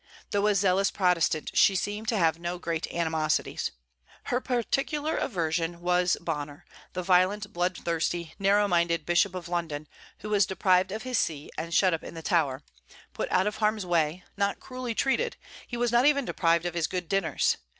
Though a zealous Protestant, she seemed to have no great animosities. Her particular aversion was Bonner, the violent, blood thirsty, narrow minded Bishop of London, who was deprived of his see and shut up in the Tower, put out of harm's way, not cruelly treated, he was not even deprived of his good dinners.